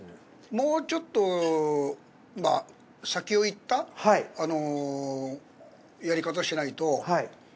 もうちょっと先を行ったやり方をしないと。